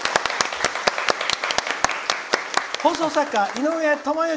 放送作家、井上知幸。